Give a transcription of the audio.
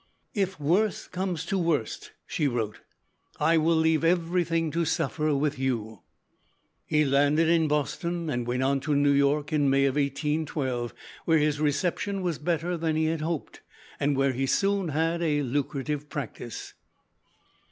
"If worse comes to worst," she wrote, "I will leave everything to suffer with you." He landed in Boston and went on to New York in May of 1812, where his reception was better than he had hoped, and where he soon had a lucrative practice.